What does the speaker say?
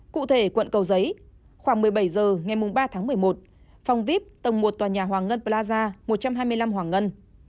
cụ thể quận cầu giấy khoảng một mươi bảy h ngày ba tháng một mươi một phòng vip tầng một tòa nhà hoàng ngân plaza một trăm hai mươi năm hoàng ngân